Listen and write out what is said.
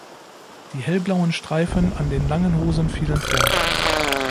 Die hellblauen Streifen an den langen Hosen fielen fort.